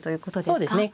そうですね。